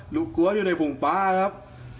ลูกกลัวอยู่ในพุงปลาร์ครับ